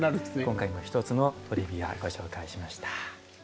今回も一つのトリビアご紹介しました。